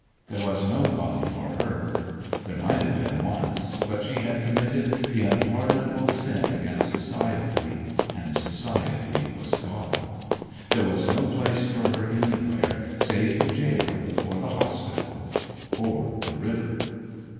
There was no God for her. There might have been once, but she had committed the unpardonable sin against society and society was God. There was no place for her anywhere, save the jail or the hospital or the river.